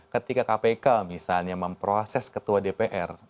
ketika kpk misalnya memproses ketua dpr